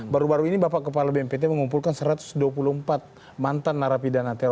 baru baru ini bapak kepala bnpt mengumpulkan satu ratus dua puluh empat mantan narapidana teroris